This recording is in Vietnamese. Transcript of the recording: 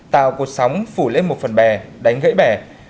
tạo cột sóng phủ lên một phần bè đánh gãy bè